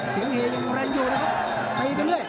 เสียงเฮียยังแรงอยู่นะครับไปไปเรื่อย